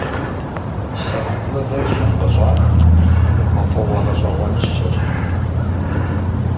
Сэху мывэр щӀым къыщӀах хъугъуэфӀыгъуэ гъэщӀэгъуэныщэщ.